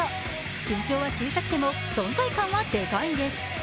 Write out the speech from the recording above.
身長は小さくても存在感はでかいんです。